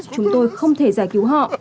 chúng tôi không thể giải cứu họ